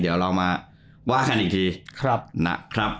เดี๋ยวเรามาว่ากันอีกที